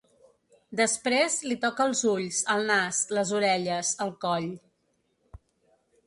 Després li toca els ulls el nas les orelles el coll.